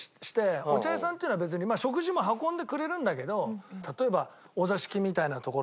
お茶屋さんっていうのは別に食事も運んでくれるんだけど例えばお座敷みたいな所で。